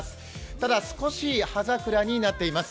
ただ、少し葉桜になっています。